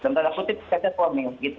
dan tanda putih sejak suami gitu